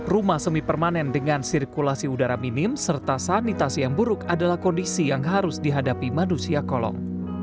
rumah semi permanen dengan sirkulasi udara minim serta sanitasi yang buruk adalah kondisi yang harus dihadapi manusia kolong